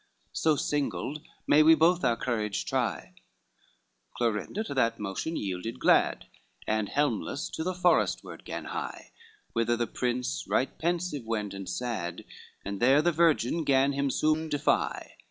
XXVI "So singled, may we both our courage try:" Clorinda to that motion yielded glad, And helmless to the forestward gan hie, Whither the prince right pensive wend and sad, And there the virgin gan him soon defy.